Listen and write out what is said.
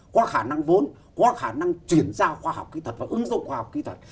có khả năng vốn có khả năng chuyển giao khoa học kỹ thuật và ứng dụng khoa học kỹ thuật